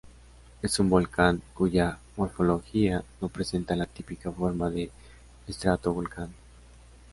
Es un volcán cuya morfología no presenta la típica forma de estratovolcán.